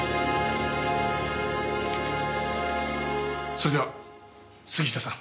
それでは杉下さん。